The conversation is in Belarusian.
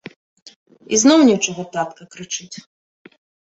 Ізноў нечага татка крычыць.